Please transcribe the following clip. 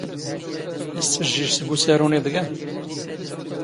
ⵉⵙ ⵜⴼⵊⵊⵉⵊⵜ ⴳ ⵓⵙⴰⵔⵓ ⵏ ⵉⴹⴳⴰⵎ?